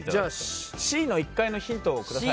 Ｃの１階のヒントを下さい。